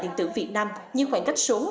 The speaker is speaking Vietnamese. điện tử việt nam như khoảng cách số